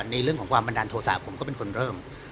ในเรื่องของความบันดาลโทษะผมก็เป็นคนเริ่ม